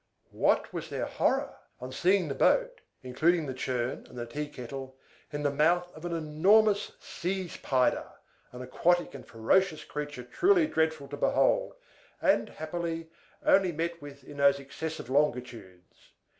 What was their horror on seeing the boat (including the churn and the tea kettle) in the mouth of an enormous Seeze Pyder, an aquatic and ferocious creature truly dreadful to behold, and, happily, only met with in those excessive longitudes!